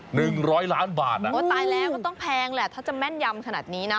หนึ่งร้อยล้านบาทนะโอ้ตายแล้วก็ต้องแพงแหละถ้าจะแม่นยำขนาดนี้นะ